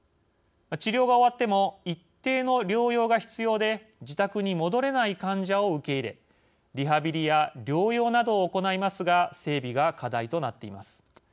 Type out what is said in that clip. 治療が終わっても一定の療養が必要で自宅に戻れない患者を受け入れリハビリや療養などを行いますが整備が課題となっています。